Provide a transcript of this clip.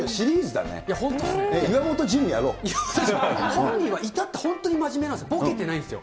本人はいたって本当に真面目なんです、ぼけてないんです。